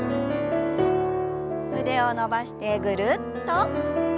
腕を伸ばしてぐるっと。